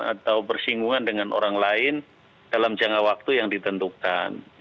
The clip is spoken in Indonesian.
atau bersinggungan dengan orang lain dalam jangka waktu yang ditentukan